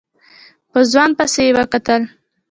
په ځوان پسې يې وکتل.